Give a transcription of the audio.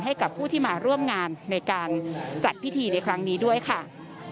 ให้กับผู้ที่มาร่วมงานในการจัดพิธีในครั้งนี้ด้วยค่ะ